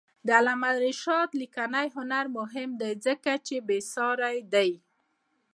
د علامه رشاد لیکنی هنر مهم دی ځکه چې بېسارې دی.